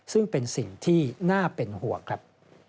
ซึ่งเป็นสิ่งที่น่าเป็นห่วงครับ